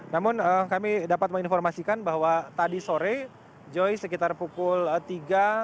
namun kami dapat menginformasikan bahwa tadi sore joy sekitar pukul tiga sampai jam sepuluh